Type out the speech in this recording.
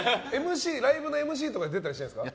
ライブのＭＣとかで出たりしないんですか？